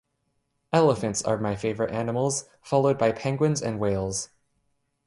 Elephants are my favorite animals, followed by penguins and whales.